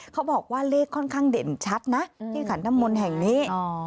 เขาบอกว่าเลขค่อนข้างเด่นชัดนะที่ขันน้ำมนต์แห่งนี้